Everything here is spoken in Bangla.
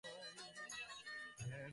ভেবেছিস আমাকে খুন করতে পারবি?